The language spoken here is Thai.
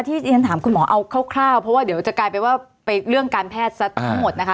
ที่ฉันถามคุณหมอเอาคร่าวเพราะว่าเดี๋ยวจะกลายเป็นว่าไปเรื่องการแพทย์ซะทั้งหมดนะคะ